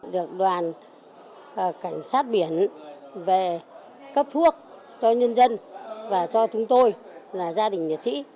được đoàn cảnh sát biển về cấp thuốc cho nhân dân và cho chúng tôi là gia đình liệt sĩ